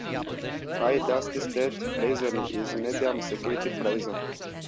High Desert State Prison is a Medium security prison.